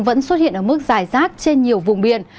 vẫn xuất hiện ở mức dài rác trên nhiều vùng biển